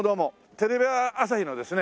テレビ朝日のですね